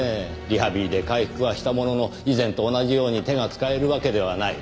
リハビリで回復はしたものの以前と同じように手が使えるわけではない。